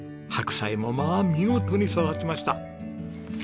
白菜もまあ見事に育ちました。